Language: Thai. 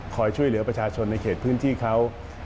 ช่วยเหลือประชาชนในเขตพื้นที่เขา